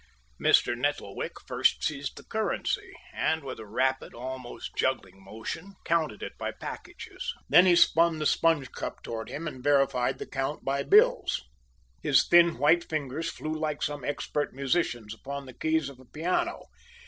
Mr. Nettlewick first seized the currency, and with a rapid, almost juggling motion, counted it by packages. Then he spun the sponge cup toward him and verified the count by bills. His thin, white fingers flew like some expert musician's upon the keys of a piano.